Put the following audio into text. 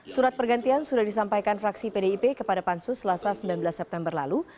surat pergantian sudah disampaikan fraksi pdip kepada pansus selasa sembilan belas september lalu